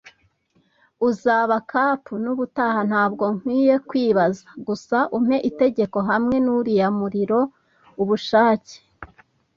Uzaba cap'n ubutaha, ntabwo nkwiye kwibaza. Gusa umpe itegeko hamwe nuriya muriro, ubushake